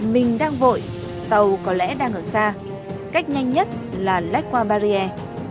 mình đang vội tàu có lẽ đang ở xa cách nhanh nhất là lách qua barrier